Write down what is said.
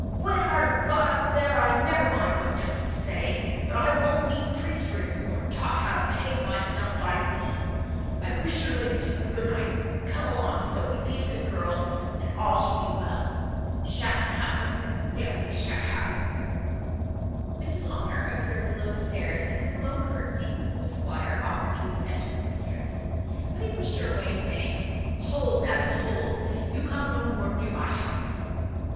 when art a got up there I never mind what dost say; but I won't be priest ridden, nor taught how to behave myself by thee. I wish your ladyship a good night. Come along, Sophy; be a good girl, and all shall be well. Shat ha' un, d n me, shat ha' un!" Mrs Honour appeared below stairs, and with a low curtesy to the squire offered to attend her mistress; but he pushed her away, saying, "Hold, madam, hold, you come no more near my house."